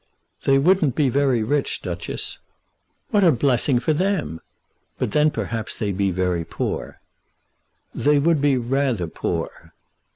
"They wouldn't be very rich, Duchess." "What a blessing for them! But then, perhaps, they'd be very poor." "They would be rather poor."